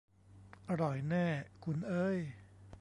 "อร่อยแน่ คุณเอ๊ย !"